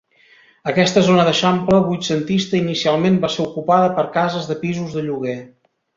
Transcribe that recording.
Aquesta zona d'eixample vuitcentista inicialment va ser ocupada per cases de pisos de lloguer.